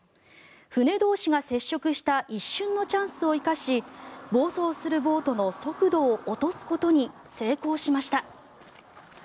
船同士が接触した一瞬のチャンスを生かし暴走するボートの速度を落とすことに成功しました。